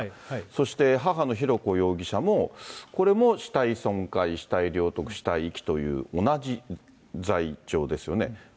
そして母の浩子容疑者もこれも死体損壊、死体領得、死体遺棄という同じ罪状ですよね。